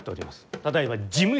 ただいま事務所